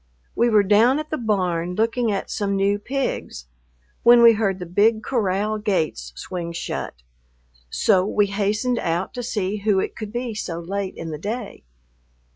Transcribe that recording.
We were down at the barn looking at some new pigs, when we heard the big corral gates swing shut, so we hastened out to see who it could be so late in the day.